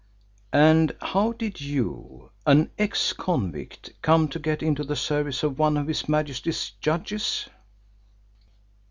"And how did you, an ex convict, come to get into the service of one of His Majesty's judges?"